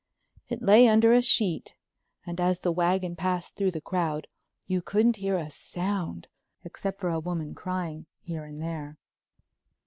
It lay under a sheet and as the wagon passed through the crowd you couldn't hear a sound, except for a woman crying here and there.